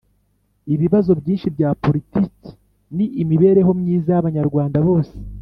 Ibibazo byinshi bya poritiki ni imibereho myiza y’Abanyarwanda bose